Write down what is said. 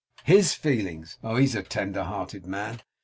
'HIS feelings! Oh, he's a tender hearted man.